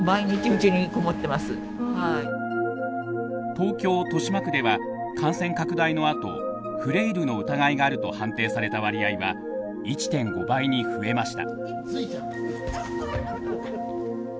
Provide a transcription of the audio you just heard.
東京豊島区では感染拡大のあとフレイルの疑いがあると判定された割合は１．５倍に増えました。